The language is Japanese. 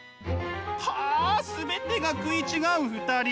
はあ全てが食い違う２人。